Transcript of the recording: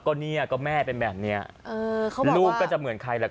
ก็เนี้ยก็แม่เป็นแบบเนี้ยเออเขาบอกว่าลูกก็จะเหมือนใครแหละ